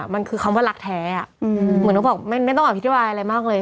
มันคือคำว่ารักแท้เหมือนเขาบอกไม่ต้องอธิบายอะไรมากเลย